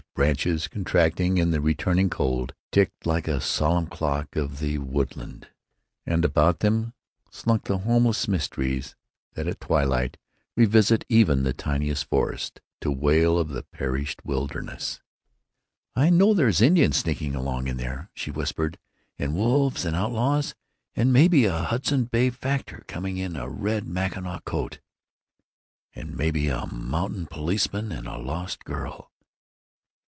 Branches, contracting in the returning cold, ticked like a solemn clock of the woodland; and about them slunk the homeless mysteries that, at twilight, revisit even the tiniest forest, to wail of the perished wilderness. "I know there's Indians sneaking along in there," she whispered, "and wolves and outlaws; and maybe a Hudson Bay factor coming, in a red Mackinaw coat." "And maybe a mounted policeman and a lost girl."